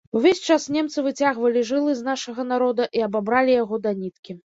Увесь час немцы выцягвалі жылы з нашага народа і абабралі яго да ніткі.